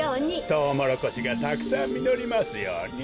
トウモロコシがたくさんみのりますように。